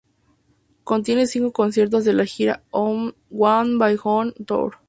Contiene cinco conciertos de la gira "One by One Tour".